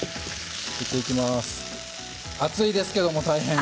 熱いですけれど大変。